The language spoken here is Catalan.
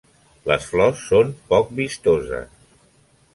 Les flors són poc vistoses.